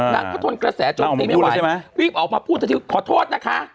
นางก็ทนกระแสโจมตีไม่ไหวรีบออกมาพูดขอโทษนะคะ